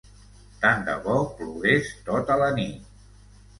Tant de bo plogués tota la nit!